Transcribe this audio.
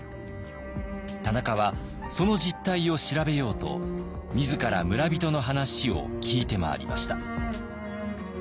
田中はその実態を調べようと自ら村人の話を聞いて回りました。